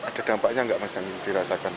ada dampaknya nggak masing masing dirasakan